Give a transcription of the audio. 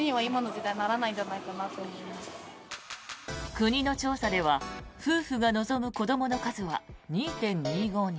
国の調査では夫婦が望む子どもの数は２．２５人。